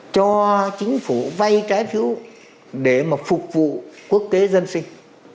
cho chính phủ vay trái phiếu để mà phục vụ quốc tế dân sinh